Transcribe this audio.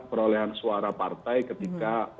perolehan suara partai ketika